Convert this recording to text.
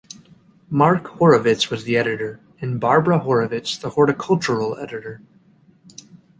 Marc Horovitz was the Editor and Barbara Horovitz the Horticultural Editor.